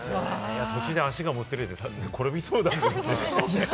途中で足がもつれて転びそうだもんね。